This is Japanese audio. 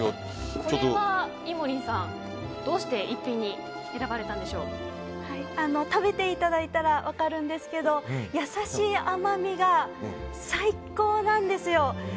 これは、いもりんさんどうして食べていただいたら分かるんですけども優しい甘みが最高なんですよ。